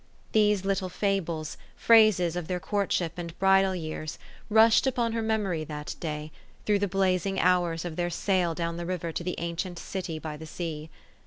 These little fables, phrases of their court ship and bridal years, rushed upon her memory that 396 THE STORY OF AVIS. day, through the blazing hours of their sail down the river to the Ancient City by the Sea.